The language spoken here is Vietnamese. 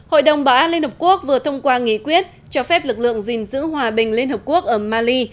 hội đồng bảo an liên hợp quốc vừa thông qua nghị quyết cho phép lực lượng gìn giữ hòa bình liên hợp quốc ở mali